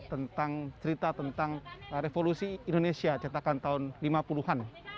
tentang cerita tentang revolusi indonesia cetakan tahun lima puluh an